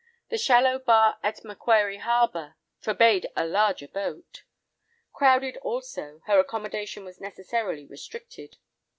The shallow bar at Macquarie Harbour forbade a larger boat. Crowded also, her accommodation was necessarily restricted.